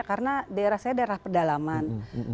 karena daerah saya daerah pedalaman